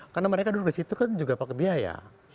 karena mereka duduk di situ kan juga pakai biaya